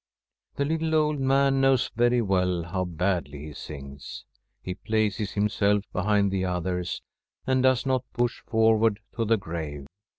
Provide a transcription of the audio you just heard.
The little old man knows very well how badly he sings; he places himself behind the others, and does not push forward to the grave.